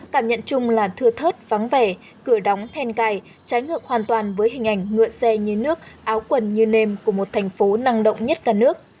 cảm nhận chung là thưa thớt vắng vẻ cửa đóng then cài trái ngược hoàn toàn với hình ảnh ngựa xe như nước áo quần như nem của một thành phố năng động nhất cả nước